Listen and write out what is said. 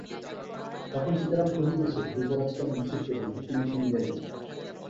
তখন সীতারাম কহিতেছে, যুবরাজকে আমি নিষেধ করিলাম, তিনি শুনিলেন না।